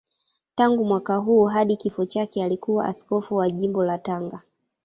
Tangu mwaka huo hadi kifo chake alikuwa askofu wa Jimbo la Tanga.